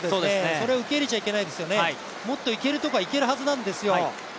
それを受け入れちゃいけないですよね、もっと行けるとこは行けるはずなんですよ。